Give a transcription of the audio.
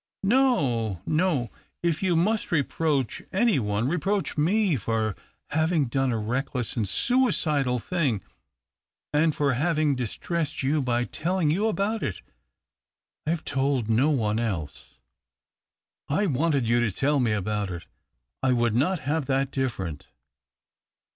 " No, no. If you must reproach any one. THE OCTAVE OF CLAUDIUS. 235 reproach me for having done a reckless and suicidal thing, and for having distressed you by telling you about it. I have told no one else." " I wanted you to tell me about it — I would not have that different.